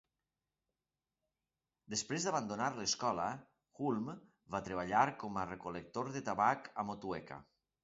Després d'abandonar l'escola, Hulme va treballar com a recol·lector de tabac a Motueka.